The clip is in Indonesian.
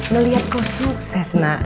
melihat kau sukses nak